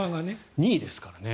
２位ですからね。